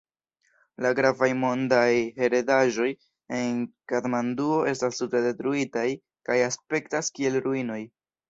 La gravaj mondaj heredaĵoj en Katmanduo estas tute detruitaj kaj aspektas kiel ruinoj.